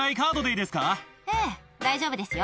ええ大丈夫ですよ。